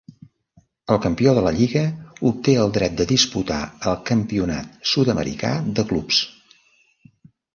El campió de la lliga obté el dret de disputar el Campionat sud-americà de clubs.